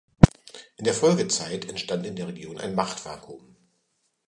In der Folgezeit entstand in der Region ein Machtvakuum.